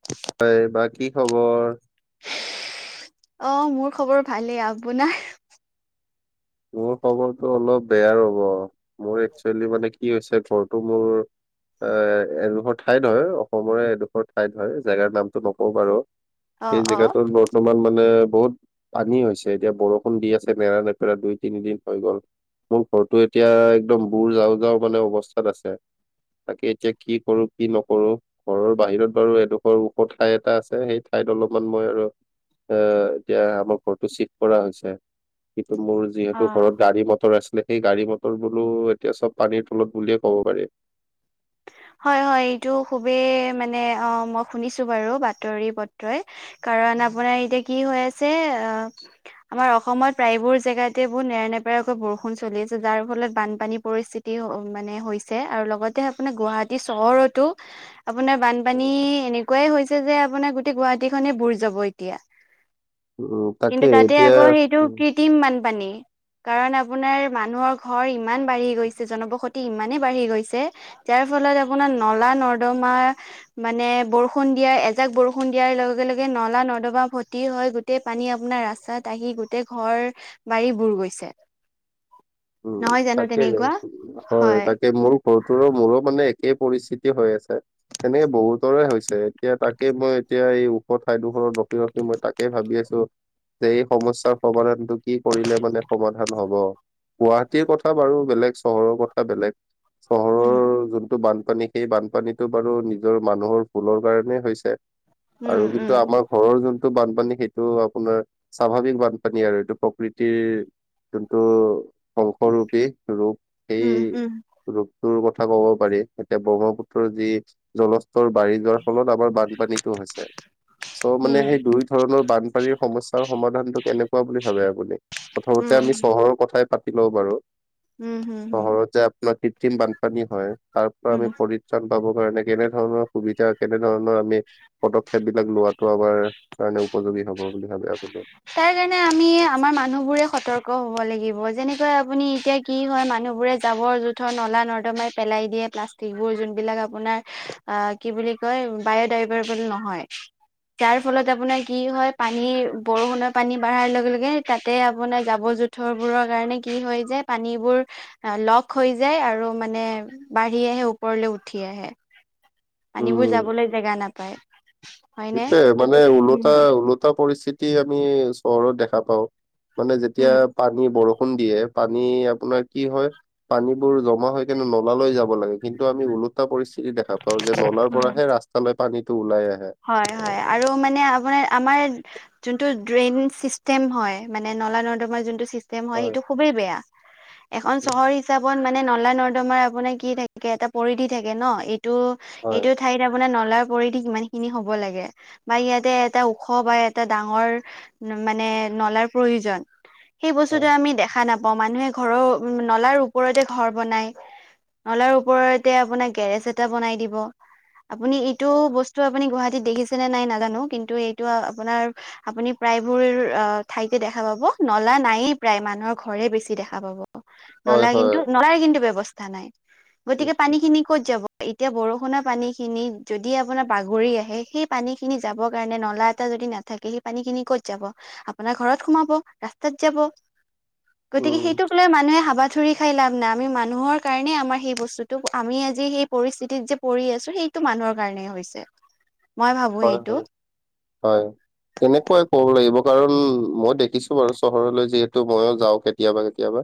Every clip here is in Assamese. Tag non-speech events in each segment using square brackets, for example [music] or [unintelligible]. [unintelligible] [inaudible] হয় বা কি খবৰ? অ মোৰ খবৰ ভালেই, আপোনাৰ? মোৰ খবৰটো অলপ বেয়া ৰ'ব, মোৰ একচুৱেলি মানে কি হৈছে ঘৰটো মোৰ এ এডোখৰ ঠাইত হয় অসমৰে এডোখৰ ঠাইত হয় জেগাৰ নামটো নকওঁ বাৰু। অ', সেই অ'। জেগাটোত বৰ বৰ্তমান মানে বহুত পানী হৈছে এতিয়া বৰষুণ দি আছে নেৰা নেপেৰা কৈ। তিনিদিন হৈ গ'ল মোৰ ঘৰটো এতিয়া একদম বুৰ যাওঁ যাওঁ মানে অৱস্থাত আছে। তাকে এতিয়া কি কৰো কি নকৰো ঘৰৰ বাহিৰত বাৰু এডোখৰ ওখ ঠাই এটা আছে সেই ঠাইত অলপমান মই আৰু এ এতিয়া আমাৰ ঘৰটো চিফ্ট কৰা হৈছে কিন্তু মোৰ যি টো অ'। ঘৰত গাড়ী মটৰ আছিলে সেই গাড়ী মটৰ বোলো এতিয়া চব পানীৰ তলত বুলিয়ে ক'ব পাৰি। হয়ঁ হয়ঁ এইটো খুবেই মানে অঁ মই শুনিছোঁ বাৰু বাতৰি পত্ৰই। কাৰণ আপোনাৰ এতিয়া কি হৈ আছে অঁ। আমাৰ অসমত প্ৰায়বোৰ জেগাতে বহু নেৰানেপেৰাকৈ বৰষুণ চলি আছে যাৰ ফলত বানপানী পৰিস্থিতি- টি মানে হৈছে আৰু লগতে আপোনাৰ গুৱাহাটী চহৰতো- আপোনাৰ বানপানী এনেকুৱাই হৈছে যে আপোনাৰ গোটেই গুৱাহাটী খনে বুৰ যাব এতিয়া। উমঁ তাকে কিন্তু তাতে এতিয়া আকৌ সেইটো উমঁ। কৃত্ৰিম বানপানী। কাৰণ আপোনাৰ মানুহৰ ঘৰ ইমান বাঢ়ি গৈছে জনবসতি ইমানেই বাঢ়ি গৈছে। যাৰ ফলত আপোনাৰ নলা নৰ্দমাৰ - মানে বৰষুণ দিয়াৰ এজাক বৰষুণ দিয়াৰ লগে লগে নলা নৰ্দমা ভৰ্তি হৈ গৈ গোটেই পানী আপোনাৰ ৰাস্তাত আহি গোটেই ঘৰ বাৰী বুৰ গৈছে। উমঁ নহয় জানো তাকেহে তেনেকুৱা হয় তাকে মোৰ। ঘৰতোৰো মোৰো মানে একেই পৰিস্থিতি হৈ আছে তেনেকে বহুতৰে হৈছে। এতিয়া তাকে মই এতিয়া এই ওখ ঠাইডোখৰত ৰখি ৰখি মই তাকে ভাবি আছোঁ। যে এই সমস্যাৰ সমাধানটো কি কৰিলে মানে সমাধান হ'ব। গুৱাহাটীৰ কথা বাৰু বেলেগ চহৰৰ কথা বেলেগ চহৰ। উমঁ! যোনটো বানপানী সেই বানপানীটো বাৰু নিজৰ মানুহৰ ভুলৰ কাৰণে হৈছে। উম আৰু কিন্তু উম আমাৰ ঘৰৰ যোন টো বানপানী সেইটো আপোনাৰ স্বাভাৱিক বানপানী আৰু এইটো প্ৰকৃতিৰ- যোনটো ধ্বংসৰূপী ৰূপ উম সেই- উম ৰূপটোৰ কথা ক'ব পাৰি এতিয়া ব্ৰহ্মপুত্ৰৰ যি জলস্তৰ বাঢ়ি যোৱাৰ ফলত আমাৰ- বানপানীতো হৈছে। চ' মানে উম সেই দুই ধৰণৰ বানপানীৰ সমস্যাৰ সমাধানটো কেনেকুৱা বুলি ভাবে আপুনি? উম প্ৰথমতে আমি চহৰৰ কথাই- ও বাৰু উম উম উম চহৰত যে আপোনাৰ কৃত্ৰিম বানপানী হঁয় তাৰ পৰা উম আমি পৰি- চান পাবৰ কাৰণে কেনেধৰণৰ সুবিধা কেনে ধৰণৰ আমি পদক্ষেপ বিলাক লোৱাত- টো আমাৰ কাৰণে উপযোগী হ'ব বুলি ভাবে আপুনি। তাৰ কাৰণে আমি আমাৰ মানুহ বোৰে সতৰ্ক হব লাগিব যেনেকৈ আপুনি এতিয়া- কি হয় মানুহবোৰে জাবৰ জোথৰ নলা নৰ্দমাই পেলাই দিয়ে প্লাষ্টিকবোৰ যোনবিলাক আপোনাৰ- অঁ কি বুলি কয় বায়'ডাইভাৰবল নহয়। যাৰ ফলত আপোনাৰ কি হয় পানীৰ- বৰষুণৰ পানী বাঢ়াৰ লগে লগে তাতে আপোনাৰ জাবৰ জোঁথৰবোৰৰ কাৰণে কি হয় যে পানীবোৰ অঁ লগ হৈ যায় আৰু মানে বাঢ়ি আহে ওপৰলৈ উঠি আহে। পানীবোৰ উম যাবলৈ জেগা নাপায়। হয়নে সেইটোয়ে মানে ওলটা ওলটা পৰিস্থিতি আমি চহৰত দেখা পাওঁ। মানে যেতিয়া উম পানী বৰষুণ দিয়ে পানী আপোনাৰ কি হয়ঁ। পানীবোৰ জমা হৈ কিনে নলালৈ যাব লাগে কিন্তু আমি ওলো এটা পৰিস্থিতি দেখা পাওঁ যে নলাৰ উম পৰাহে ৰাস্তালৈ পানীটো ওলাই আহে। হয় হয় আৰু মানে আপোনাৰ আমাৰ- যোনটো ড্ৰেইন চিষ্টেম হয় মানে নলা নৰ্দমাৰ যোনটো চি- তেম হয় সেইটো খুবেই বেয়া। এখন চহৰ- হিচাপত মানে নলা নৰ্দমাৰ আপোনাৰ কি থাকে এটা পৰিধি থাকে ন। এইটো হয় এইটো- ঠাইত আপুনৰ নলা পৰিধি সিমানেই। খিনি হব লাগে বা ইয়াতে এটা ওখ বা এটা ডাঙৰ- মানে নলাৰ প্ৰয়োজন সেই বস্তুটো হয় আমি দেখা নাপ- পাওঁ মানুহে ঘৰৰ উম নলাৰ ওপৰতে ঘৰ বনায়। নলাৰ ওপৰতে আপোনাৰ গেৰেজ এটা বনাই দিব। আপুনি ইটো বছ- আপুনি গুৱাহাটীত দেখিছেনে নাই নাজানো কিন্তু এইটো আপোনাৰ- আপুনি প্ৰায়বোৰ আ ঠাইতে দেখা পাব, নলা নায়েই প্ৰায় মানুহৰ ঘৰে বেছি দেখা পাব। হয় নলা হয় কিন্তু নলাৰ কিন্তু ব্যৱস্থা নাই। গতিকে পানী উম খিনি- ক'ত যাব? এতিয়া বৰষুণৰ পানী খিনি যদি আপোনাৰ- বাগৰি আহে সেই পানী খিনি যাবৰ কাৰণে নলা এটা যদি নাথাকে সেই পানী খিনি কত যাব? আপোনাৰ ঘৰত সোমাব, ৰাস্তাত যাব। [unintelligible] গতিকে সেইটোক লৈ মানুহে হাবা- ঠৰি খাই লাভ নাই আমি মানুহৰ কাৰণে আমাৰ সেই বস্তুটো আমি আজি সেই পৰিস্থিতিত যে- পৰি আছো সেইটো মানুহৰ কাৰণেই হৈছে। মই ভাবো হয় এইটো হয় হয়। তেনেকুৱাই ক'ব লাগিব কাৰণ মই দেখিছো বাৰু চহৰলৈ যিহেতু মইও যাওঁ কেতিয়াবা কেতিয়াবা।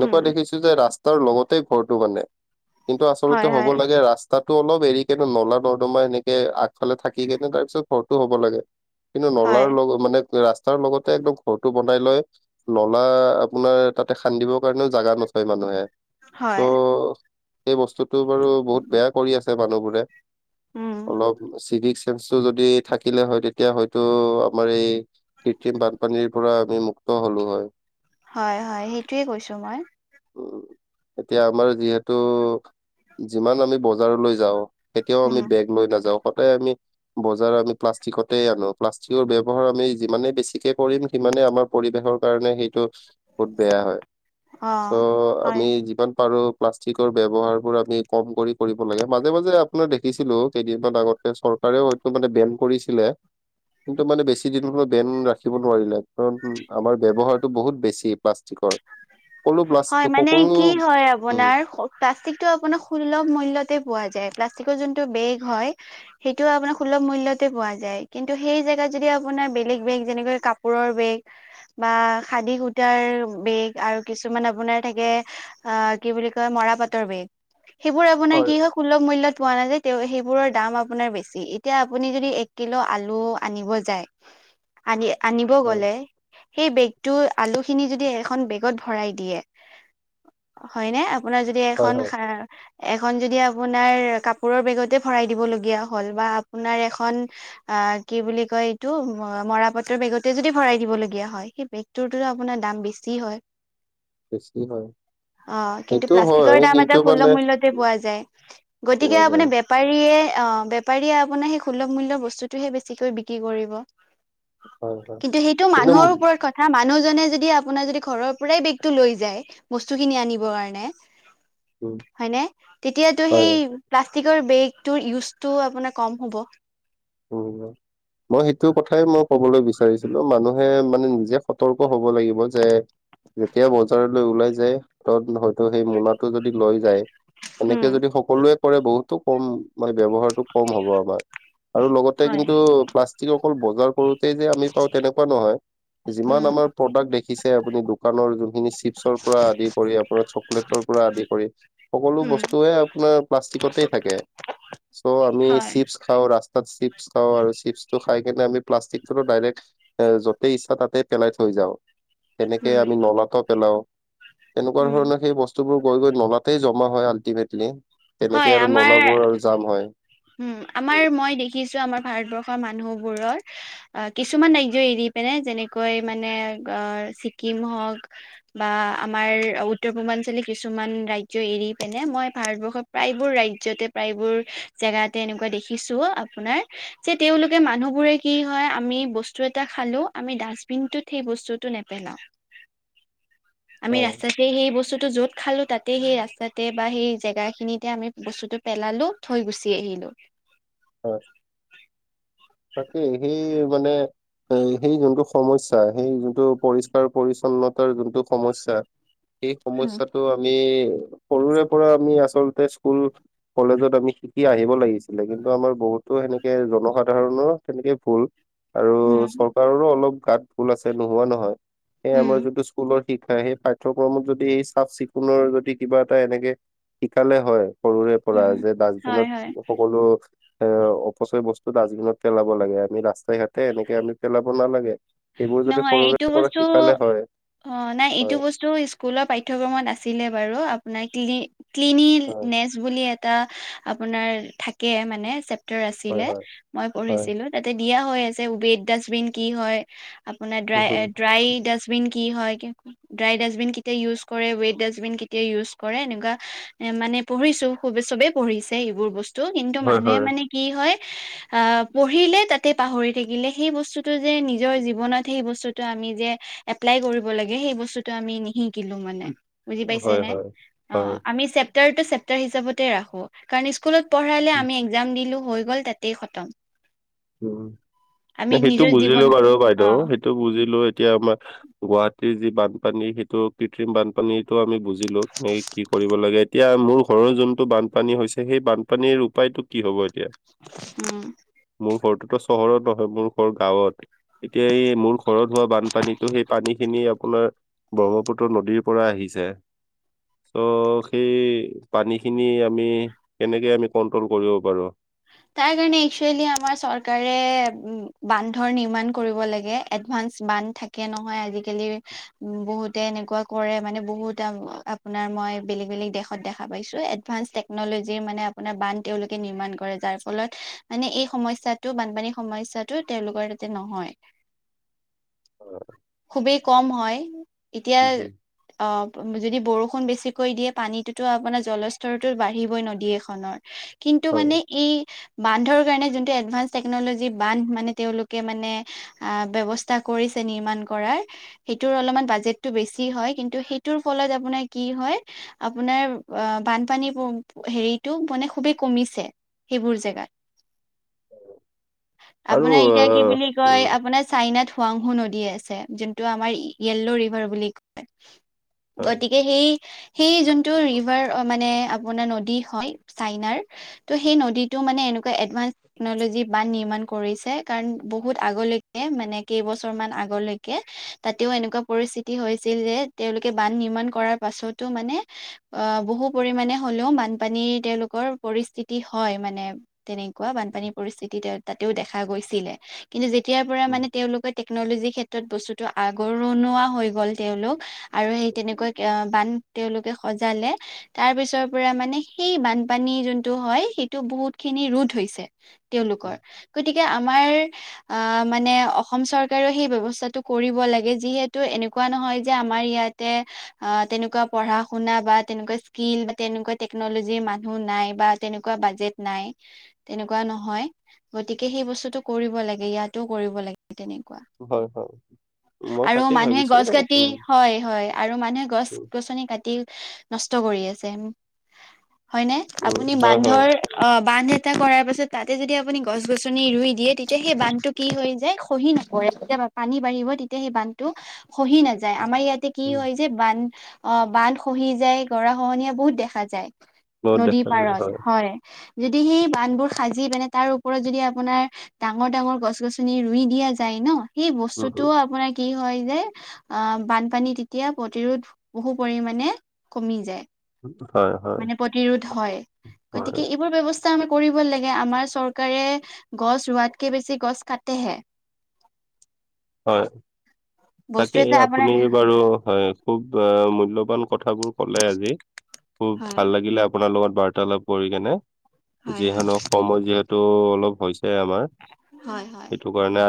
উম দেখিছো যে ৰাস্তাৰ লগতেই ঘৰটো মানে কিন্তু হয় আচলতে হ'ব হয় লাগে ৰাছ- তাতো অলপ এৰি কিনে নলা নৰ্দমা এনেকে আগফালে থাকি কেনে তাৰপিছত ঘৰটো হ'ব লাগে। কিন্তু হয় নলাৰ লগত মানে ৰাস্তাৰ লগতে একদম ঘৰটো বনাই লৈ। নলা আপোনাৰ তাতে খান্দিবৰ কাৰণেও জাগা নাচাই মানুহে। চ' হয় এই বস্তুটো বাৰু বহুত বেয়া কৰি আছে মানুহবোৰে। উম অলপ চিভিক চেন্সটো যদি থাকিলে হয় তেতিয়া হয়তো আমাৰ এই- কৃত্ৰিম বানপানীৰ পৰা আমি মুক্ত হলো হয়। হয় হয় সেইটোৱে কৈছো মই। উম এতিয়া আমাৰ যিহেতু, যিমান আমি বজাৰলৈ যাওঁ কেতিয়াও আমি উম বেগ লৈ নাযাওঁ সদায় আমি- বজাৰ আমি প্লাষ্টিকতে আনো প্লাষ্টিকৰ ব্যৱহাৰ আমি যিমানে বেছিকে কৰিম সিমানে আমাৰ- পৰিৱেশৰ কাৰণে সেইটো বহুত বেয়া হয় অ চ' হয় আমি যিমান পাৰো- প্লাষ্টিকৰ ব্যয়ৱহাৰবোৰ আমি কম কৰি কৰিব লাগে। মাজে মাজে আপোনাৰ দেখিছিলো কেইদিনমান আগতে চ- কাৰেও সেইটো মানে বেন কৰিছিলে। কিন্তু মানে বেছি দিন হলে বেন ৰাখিব নোৱাৰিলে কাৰণ আমাৰ ব্যৱহাৰটো বহুত বেছি প্লাষ্টিকৰ। সকলো হয় প্লাষ্টিক মানে সকলো কি হয় আ- উম পোনাৰ প্লাষ্টিকটো আপোনাৰ সুলভ মূল্যতে পোৱা যায় প্লাষ্টিকৰ যোনটো বেগ হয়- সেইটো আপোনাৰ সুলভ মূল্যতে পোৱা যায় কিন্তু সেই জেগাত যদি আপোনাৰ বেলেগ বেগ যেনেকৈ কাপোৰৰ বেগ- বা খাদি সূটাৰ বেগ আৰু কিছু- মান আপোনাৰ থাকে আ কি বুলি কয় মৰা পাটৰ বেগ সেইবোৰ আপোনাৰ কি হয়- সুলভ মূল্যত পোৱা নাযায় তেওঁ সেইবোৰৰ দাম আপোনাৰ বেছি এতিয়া আপুনি যদি এক কিলো আলু- আনিব যায় আনি- আনিব হয় গ'লে, সেই বেগতো আলুখিনি যদি এখন বেগত- ভৰাই দিয়ে। হয়নে? আপোনাৰ যদি হয় এখন- হয় এখন যদি আপোনাৰ কাপোৰৰ বেগতে ভৰাই দিবলগীয়া হ'ল, বা আপোনাৰ এখন অ' কি বুলি কয় এইটো মৰা পাটৰ বেগতে যদি ভৰাই দিব লগীয়া হয়। সেই বেগ তোৰটো আপোনাৰ দাম বেছি হয়? বেছি হয়। অ', কিন্তু সেইটো হয় প্লাষ্টিকৰ বেগ এটা কিন্তু মানে সূলভ মূল্যতে পোৱা যায়। গতিকে পোৱা যায় আপোনাৰ পাৰীয়ে অ' বেপাৰীয়ে আপোনাৰ সেই সুলভ মূল্যৰ বস্তুটোহে বেছি বিক্ৰী কৰিব। হয় হয় কিন্তু সেইটো কিন্তু মানুহৰ ওপৰত কথা, মানুহজনে যদি আপোনাৰ যদি ঘৰৰ পৰাই বেগটো লৈ যায় বস্তু খিনি আনিব কাৰণে উম হয়নে? তেতিয়াটো হয় সেই প্লাষ্টিকৰ বেগটোৰ ইউজটো আপোনাৰ কম হ'ব। অ'। মই সেইটো কথাই মই কবলৈ বিচাৰিছিলো, মানুহে মানে নিজে সতৰ্ক হব লাগিব। যে যেতিয়া বজাৰলৈ ওলাই যায়, হাতত হয়তো সেই মোনাটো যদি লৈ যায় উম, এনেকে যদি সকলোৱে কৰে বহুতো কম মানে ব্যৱহাৰটো কম হ'ব আমাৰ। আৰু লগতে উম, কিন্তু প্লাষ্টিক অকল বজাৰ কৰোঁতে যে আমি পাওঁ তেনেকুৱা নহয়। যিমান উম, আমাৰ প্ৰডাক্ট দেখিছে আপুনি দোকানৰ যোনখিনি চিপছৰ পৰা আদি কৰি আপোনাৰ চক কলেটৰ পৰা আদি কৰি সকলো বস্তু আপোনাৰ প্লাষ্টিকতে থাকে। চ' আমি চিপ্ছ খাওঁ ৰাস্ত তাত চিপছ খাওঁ, আৰু চিপছটো খাই কিনে আমি প্লাষ্টিকটো ডাইৰেক্ট এ যতেই ইচ্ছা তাতে পেলাই থৈ যাওঁ। তেনেকে উম, আমি নলাটো পেলাওঁ, তেনেকুৱা উম। ধৰণৰ সেই বস্তু বস্তুবোৰ গৈ গৈ নলাতেই জমা হয় আল্টিমেটলি‌। হয়। আমাৰ উম আমাৰ উম, মই দেখিছোঁ আমাৰ ভাৰতবৰ্ষ ৰ মানুহবোৰৰ অ' কিছুমান ৰাজ্য এৰি পেলাই, যেনেকৈ মানে অ' ছিকিম হওঁক বা আমাৰ উত্তৰ পূৰ্বাঞ্চলি কিছুমান ৰাজ্য এৰি পিনে মই ভাৰতবৰ্ষৰ প্ৰায়বোৰ ৰাজ্যতে প্ৰায়বোৰ জেগাতে এনেকুৱা দেখিছোঁ আপোনাৰ যে তেওঁলোকে মানুহ বোৰে কি হয় আমি বস্তু এটা খালোঁ আমি ডাষ্টবিন টোত সেই বস্তুতটো ন পেলাও। [inaudible] আমি ৰাস্তাতে সেই বস্তুটো য'ত খালো তাতে সেই ৰাস্তাতে বা সেই জেগা খিনিত তাতে আমি বস্তুটো পেলালোঁ থৈ গুচি আহিলোঁ। হয়। তাকে, সেই মানে এ সেই যোনটো সমস্যা, সেই যোনটো পৰিষ্কাৰ পৰিচ্ছন্নতাৰ যোনটো সমস্যা সেই উম, সমস্যাটো আমি সৰুৰে পৰা আমি আচলতে স্কুল কলেজত আমি শিকি আহিব লাগিছিলে। কিন্তু আমাৰ বহুতো সেনেকে জনসাধ ধাৰণৰ তেনেকেই ভুল আৰু উম, চৰকাৰৰো অলপ গাত ভুল আছে নোহোৱা নহয়। সেই আমাৰ উম, যোনটো স্কুলৰ শিক্ষা সেই পাঠ্যক্ৰমত যদি এই চাফ চিকুণৰ যদি কিবা এটা এনেকে শিকালে হয় সৰুৰে পৰা উম, যে হয়, হয়, ডাষ্টবিনত সকলো এ অপচয় বস্তু টো ডাষ্টবিনত পেলাব লাগে, আমি ৰাস্তাই ঘাটে এনেকে আমি পেলাব নালাগে। সেইবোৰ যদি নহয় সৰুৰে এইটো পৰা শিকালে হয়, হয়। টো স্কুলৰ পাঠ্যক্ৰমত আছিলে বাৰু, আপোনাৰ ক্লিলি হয় ক্লিলিনেছট বুলি এটা আপোনাৰ থাকে মানে চেপ্তাৰ হয় আছিলে। হয় মই হয় পঢ়িছিলো, তাতে দিয়া হৈ আছে উবেদ ডাষ্টবিন কি হয়। আপোনাৰ উম, ড্ৰাই ড্ৰাই ডাষ্টবিন কি হয়। কি ড্ৰাই ডাষ্টবিন কেতিয়া ইউজ কৰে ৱেইট ডাষ্টবিন কেতিয়া ইউজ কৰে এনেকুৱা এ মানে- পঢ়িছো সবে চবেই পঢ়িছে এইবোৰ বস্তু কিন্তু, হয়, মানুহে হয়। মানে- কি হয়? আহ পঢ়িলে তাতে পাহৰি থাকিলে সেই বস্তুটো যে নিজৰ জীৱ- ৱনত সেই বস্তুটো আমি যে এপ্লাই কৰিব লাগে সেই বস্তুটো আমি নিহিকো। শিকিলো মানে। বুজি পাইছে হয়, নে হয়, হয়। অঁহ আমি চেপ- চেপ্টাৰটো চেপ্টাৰ হিচাপতে ৰাখো কাৰণ স্কুলত পঢ়াহলে আমি এক্জাম দিলো হৈ গ'ল তাতেই খতম। উম' আমি সেইটো নিজৰ বুজিলো জীৱন বাৰু অ বাইদেউ সেইটো বুজিলো এতিয়া আমাৰ- গুৱাহাটীৰ যি বানপানী সেইটো কৃত্ৰিম বানপানীটো আমি বুজিলো। নেইক- কি কৰিব লাগে, এতিয়া মোৰ ঘৰৰ যোনটো বানপানী হৈছে সেই বানপানীৰ উপায়টো কি হ'ব এতিয়া? উম' মোৰ ঘৰটোতো চহৰত নহয় মোৰ ঘৰ গাঁৱত এতিয়া এই মোৰ- ঘৰত হোৱা বানপানীতো সেই পানীখিনি আপোনাৰ ব্ৰহ্মপুত্ৰ নদীৰ পৰা আহিছে- ত' সেই পানীখিনি আমি কেনেকে আমি কন্ট্ৰোল কৰিব পাৰো? তাৰ কাৰণে এক্সুৱেলী আমাৰ চৰকাৰে বান্ধৰ নিৰ্মান কৰিব লাগে এডভানস বান্ধ থাক- কে নহয় আজিকালি। উম' বহুতে এনেকুৱা কৰে মানে বহুতে আপোনাৰ মই বেলেগ বেলেগ দেশত দেখা পাইছো এডভানস টেক- টেকনলজি মানে আপোনাৰ বান তেওঁলোকে নিৰ্মাণ কৰে, যাৰ- ফলত মানে এই সমস্যাটো বানপানীৰ সমস্যাটো তেওঁলোকৰ তাতে নহয়। খুবেই কম হয়। উম, এতিয়া- উম, অঁ' যদি বৰষুণ বেছিকৈ দিয়ে পানীটোতো আপোনাৰ জলস্তৰতো বাঢ়িবই নদী এখনৰ। কিন্তু, হয় মানে এই- বান্ধৰ কাৰণে যোনটো এডভান্স টেকনলজি বান্ধ মানে তেওঁলোকে মানে- আ ব্যৱস্থা কৰিছে নিৰ্মাণ কৰাৰ- সেইটোৰ অলপমান বাজেটটো বেছি হয় কিন্তু, সেইটোৰ ফলত আপোনাৰ কি হয়? আপোনাৰ অঁ বানপানী হেৰিটো মানে খুবেই কমিছে। সেইবোৰ জেগাত। আৰু আপোনাৰ এতিয়া কি আহ বুলি কয় উম আপোনাৰ চাইনাত- হুৱাংহু নদী আছে যোনটো আমাৰ য়েল্লো' ৰিভাৰ বুলি কয়। হয় গতিকে, - সেই সেই যোনটো ৰিভাৰ মানে আপোনাৰ নদী হয় চাইনাৰ টো- সেই নদীটো মানে এনেকুৱা এডভাঞ্চ- টেকনলজি বান নিৰ্মাণ কৰিছে কাৰণ বহুত আগলৈকে মানে কেইবছৰ মান আগলৈকে- কে তাতেও এনেকুৱা পৰিস্থিতি হৈছিল যে তেওঁলোকে বান নিৰ্মাণ কৰাৰ পাছতো মানে- অ বহু পৰিমাণে হলেও বানপানী তেওঁলোকৰ পৰিস্থিতি- কি হয় মানে তেনেকুৱা বানপানী পৰিস্থিতি তাতেও দেখা গৈছিলে। কিন্তু যেতিয়াৰ পৰা উম মানে তেওঁলোকে টেকনলজিৰ ক্ষেত্ৰত বস্তুটো আগৰণুৱা হৈ গ'ল তেওঁলোক- আৰু সেই তেনেকৈ বান তেওঁলোকে সজালে- তাৰ পিছৰ পৰা মানে সেই বানপানী যোন- টো হয় সেইটো বহুত খিনি ৰোধ হৈছে তেওঁলোকৰ উম গতিকে, আমাৰ- আঁহ মানে অসম চৰকাৰেও সেই ব্যৱস্থাটো কৰিব লাগে যিহেতু এনে- কোৱা নহয় যে আমাৰ ইয়াতে- অঁহ তেনেকুৱা পঢ়া শুনা বা তেনেকুৱা স্কিল বা তেনেকুৱা টেকনলজিৰ মানুহ নাই বা- তেনেকুৱা বাজেট নাই। তেনেকুৱা নহয়, গতিকে সেই বস্তুটো কৰিব লাগে ইয়াতো কৰিব লাগে- তেনেকুৱা। হয় হয়। [inaudible] আৰু মানুহে ভাবিছো গছ কাটি, উম হয়, হয় আৰু মানুহে গছ উম গছনি কাটি। নষ্ট কৰি আছে হয়নে? উম আপুনি হয় হয় বান্ধৰ অ' বান্ধ এটা কৰাৰ পাছত তাতে, যদি আপুনি গছ গছনি ৰুই দিয়ে, তেতিয়া সেই বান্ধটো, কি হৈ যায়, খহি নপৰে, যেতিয়া পানী বাঢ়িব তেতিয়া সেই বান্ধটো খহি নাযায়। যায়, আমাৰ ইয়াতে কি উম হয়, যে বান্ধ অ 'বান্ধ খহি যায় গৰাখহনীয়া বহুত দেখা যায়। বহুত নদীৰ দেখা যায় হয়। পাৰত হয় যদি, সেই বান্ধবোৰ সাজি পেনে তাৰ ওপৰত যদি আপোনাৰ! ডাঙৰ ডাঙৰ গছ গছনি ৰুই দিয়া যায় 'ন, সেই উম বস্তুটো আপোনাৰ কি হৈ যায়, আহ, বানপানী তেতিয়া প্ৰতিৰোধ বহু পৰিমাণে কমি যায়। উম হয় হয় মানে প্ৰতিৰোধ হয়, হয় গতিকে এইবোৰ ব্যৱস্থা, স্থা আমি কৰিব লাগে। আমাৰ চৰকাৰে গছ ৰোৱাতকে বেছি গছ কাটেহে। হয়, বস্তু তাকেই এটা আপুনি আপোনাৰ বাৰু 'হয়। খুব আহ মূল্যবান কথাবোৰ ক'লে আজি খুব হয় ভাল লাগিলে আ, আপোনাৰ লগত বাৰ্তালাপ কৰি কেনে, হয় যি হয় হেনক সময় দিয়াটোও অলপ হৈছে আমাৰ। হয়, হয়। হয়, না।